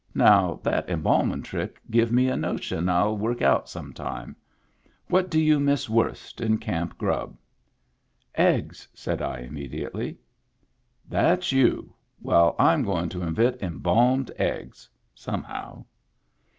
Now, that embalmin' trick give me a notion 111 work out some time. What do you miss worst in camp grub ?"" Eggs," said I, immediately. " That's you. Well, Fm going to invent em balmed eggs — somehow."